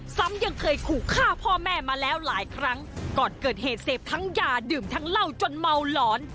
ซ้ำยังเคยขู่ฆ่าพ่อแม่มาแล้วหลายครั้งก่อนเกิดเหตุเสพทั้งยาดื่มทั้งเหล้าจนเมาหลอน